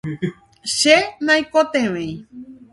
che naikotevẽi.